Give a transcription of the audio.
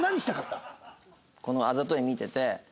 このあざとい見てて。